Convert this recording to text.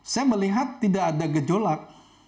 saya melihat tidak ada gejolak